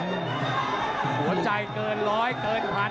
หัวใจเกินร้อยเกินหลัน